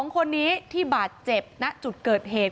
๒คนนี้ที่บาดเจ็บณจุดเกิดเหตุ